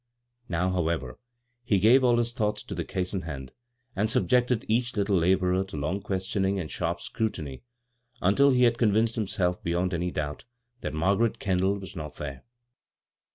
Now, however, he gave all his thoughts to the case in hand, and subjected each little laborer to long questioning and sharp scrutiny until he had convinced himself beyond any doubt that Margaret Kendall was not there.